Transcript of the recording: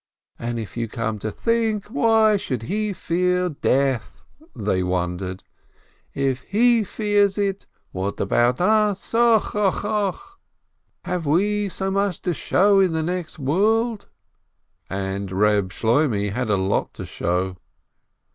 "And if you come to think, why should he fear death ?" they wondered. "If he fears it, what about us ? Och ! och ! och ! Have we so much to show in the next world ?" And Ifeb Shloimeh had a lot to show.